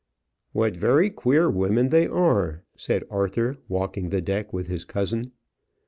"What very queer women they are!" said Arthur, walking the deck with his cousin.